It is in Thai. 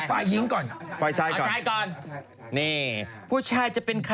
เอาไฟยิงก่อน